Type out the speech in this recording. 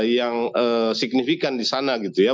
yang signifikan disana gitu ya